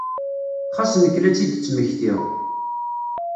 Xas nekk la tt-id-tmektiɣ.